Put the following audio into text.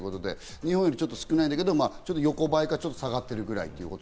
日本よりちょっと少ないけど横ばいか、ちょっと下がってるぐらい。